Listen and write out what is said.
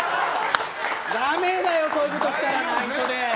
ダメだよ、そういうことしたら内緒で。